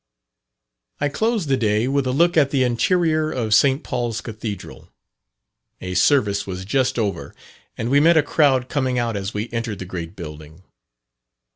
I closed the day with a look at the interior of St. Paul's Cathedral. A service was just over, and we met a crowd coming out as we entered the great building.